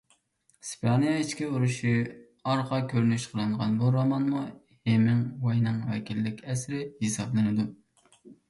ئىسپانىيە ئىچكى ئۇرۇشى ئارقا كۆرۈنۈش قىلىنغان بۇ رومانمۇ ھېمىڭۋاينىڭ ۋەكىللىك ئەسىرى ھېسابلىنىدۇ.